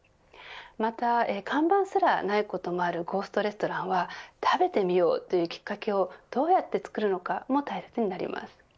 また、看板すらないゴーストレストランは食べてみようというきっかけをどうやってつくるのかも大切です。